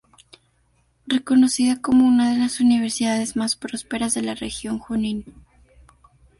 Reconocida como una de las universidades más prósperas de la Región Junín.